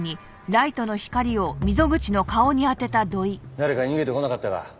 誰か逃げてこなかったか？